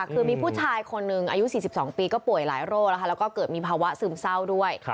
คือมีผู้ชายคนหนึ่งอายุ๔๒ปีก็ป่วยหลายโรคแล้วก็เกิดมีภาวะซึมเศร้าด้วย